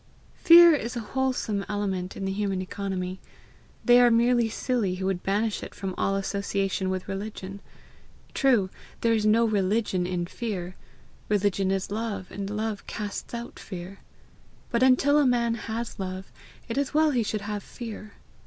Fear is a wholesome element in the human economy; they are merely silly who would banish it from all association with religion. True, there is no religion in fear; religion is love, and love casts out fear; but until a man has love, it is well he should have fear.